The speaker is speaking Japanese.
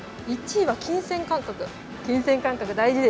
１位は金銭感覚。